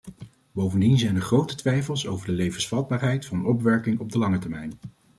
Bovendien zijn er grote twijfels over de levensvatbaarheid van opwerking op de lange termijn.